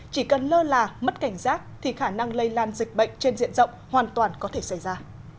chỉ cần lơ là mất cảnh giác thì khả năng lây lan dịch bệnh trên diện rộng hoàn toàn có thể xảy ra